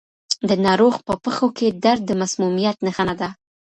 د ناروغ په پښو کې درد د مسمومیت نښه نه ده.